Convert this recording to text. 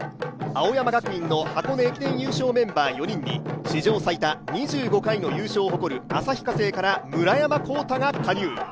青山学院の箱根駅伝優勝メンバー４人に、史上最多２５回の優勝を誇る旭化成から村山紘太が加入。